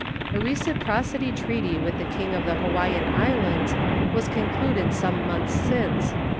A reciprocity treaty with the King of the Hawaiian Islands was concluded some months since.